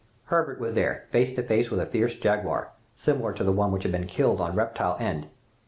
Herbert was there face to face with a fierce jaguar, similar to the one which had been killed on Reptile End.